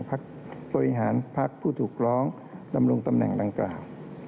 พักบริหารพักผู้ถูกร้องดำรงตำแหน่งดังกล่าว